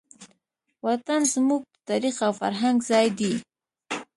وطن زموږ د تاریخ او فرهنګ ځای دی.